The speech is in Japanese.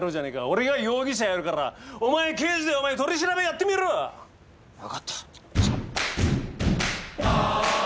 俺が容疑者やるからお前刑事で取り調べやってみろ。分かった。